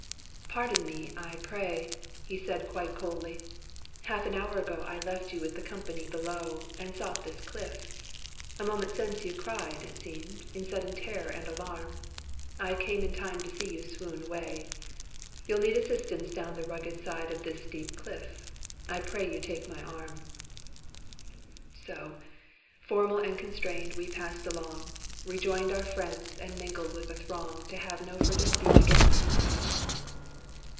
"Pardon me, I pray!" He said quite coldly. "Half an hour ago I left you with the company below, And sought this cliff. A moment since you cried, It seemed, in sudden terror and alarm. I came in time to see you swoon away. You'll need assistance down the rugged side Of this steep cliff. I pray you take my arm." So, formal and constrained, we passed along, Rejoined our friends, and mingled with the throng To have no further speech again that day.